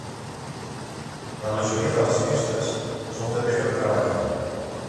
La majoria de les finestres són de pedra treballada.